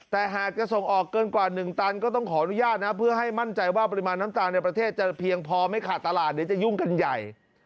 แต่หากจะส่งออกเกินกว่า๑ตันก็ต้องขออนุญาตนะเพื่อให้มั่นใจว่าปริมาณน้ำตาลในประเทศจะเพียงพอไม่ขาดตลาดเดี๋ยวจะยุ่งกันใหญ่